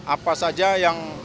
apa saja yang